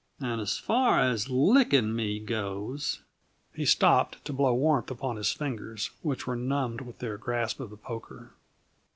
"And 's far as licking me goes " He stopped to blow warmth upon his fingers, which were numbed with their grasp of the poker.